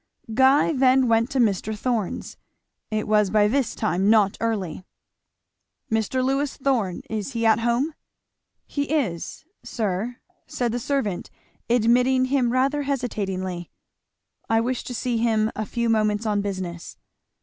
Guy then went to Mr. Thorn's. It was by this time not early. "Mr. Lewis Thorn is he at home?" "He is, sir," said the servant admitting him rather hesitatingly. "I wish to see him a few moments on business."